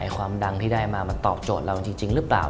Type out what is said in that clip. ความดังที่ได้มามันตอบโจทย์เราจริงหรือเปล่า